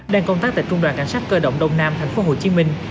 đang công tác tại trung đoàn cảnh sát cơ động đông nam thành phố hồ chí minh